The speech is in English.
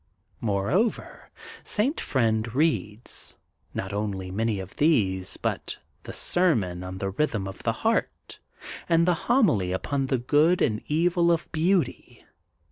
Moreover, St. Friend reads, not only many of these things, but the sermon on The Bhythm of the Heart, and the homily upon *'The Good and Evil of Beauty.''